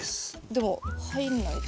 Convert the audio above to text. でも入んないです。